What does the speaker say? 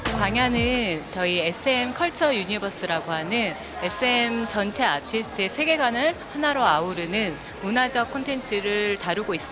kuangya adalah konten cultural universe sm yang menciptakan karya dan karya artis sm